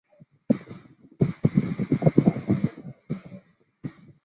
满洲里西郊机场是一个位于中国内蒙古自治区满洲里市西郊的民航机场。